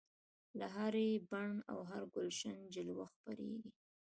له هر بڼ او هر ګلشن جلوه خپریږي